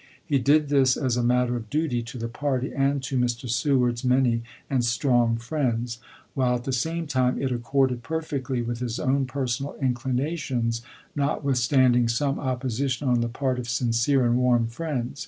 He did this as a matter of duty to the party and to Mr. Seward's many and strong friends, while at the same time it accorded perfectly with his own personal inclinations, notwithstand ing some opposition on the part of sincere and warm friends.